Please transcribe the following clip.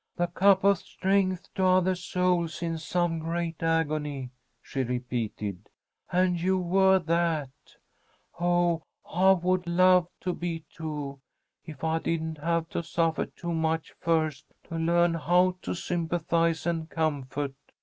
"'The cup of strength to other souls in some great agony,'" she repeated. "And you were that! Oh, I would love to be, too, if I didn't have to suffer too much first to learn how to sympathize and comfort.